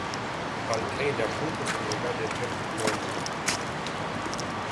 Al treilea punct este legat de drepturile omului.